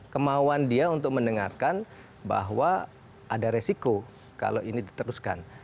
kemauan dia untuk mendengarkan bahwa ada resiko kalau ini diteruskan